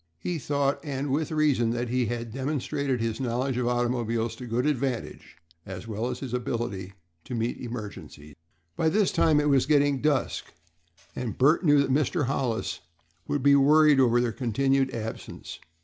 He thought, and with reason, that he had demonstrated his knowledge of automobiles to good advantage, as well as his ability to meet emergencies. By this time it was getting near dusk, and Bert knew that Mr. Hollis would be worried over their continued absence.